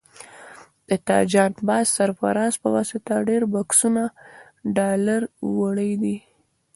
تا د جان باز سرفراز په واسطه ډېر بکسونه ډالر وړي دي.